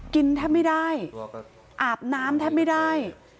แทบไม่ได้อาบน้ำแทบไม่ได้